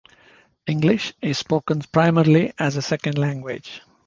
English is spoken primarily as a second language.